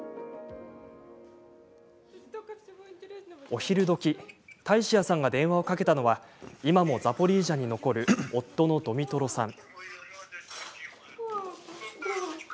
お昼どき、タイシアさんが電話をかけたのは今もザポリージャに残る夫のドミトロさん。